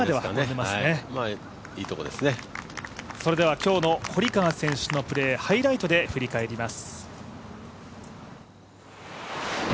今日の堀川選手のプレーハイライトで振り返ります。